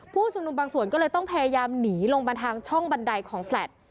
ผู้ชุมนุมบางส่วนก็เลยต้องพยายามหนีลงมาทางช่องบันไดของแฟลต์